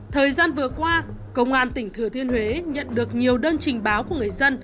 thời gian vừa qua công an tỉnh thừa thiên huế nhận được nhiều đơn trình báo của người dân